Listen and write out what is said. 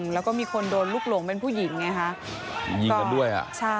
แล้วก็มีคนโดนลูกหลวงเป็นผู้หญิงมียิงกันด้วย